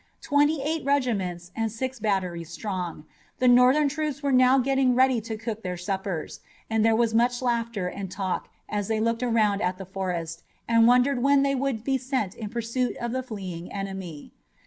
Twenty eight regiments and six batteries strong, the Northern troops were now getting ready to cook their suppers, and there was much laughter and talk as they looked around at the forest and wondered when they would be sent in pursuit of the fleeing enemy.